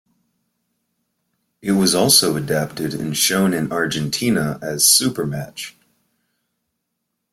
It was also adapted and shown in Argentina as "Supermatch".